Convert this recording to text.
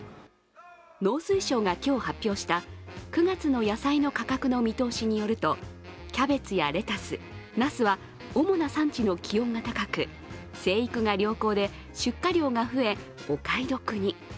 農水省が今日発表した９月の野菜の価格の見通しによるとキャベツやレタス、なすは主な産地の気温が高く生育が良好で出荷量が増えお買い得に。